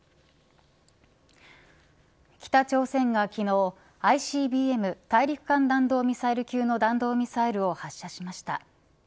北朝鮮が昨日ＩＣＢＭ大陸間弾道ミサイル級の弾道ミサイルを発射しました。